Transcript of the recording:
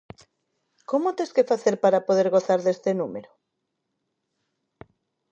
Como tes que facer para poder gozar deste número?